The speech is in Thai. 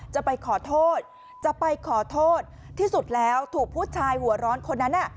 จะไปขอโทษจะไปขอโทษที่สุดแล้วถูกผู้ชายหัวร้อนคนนั้น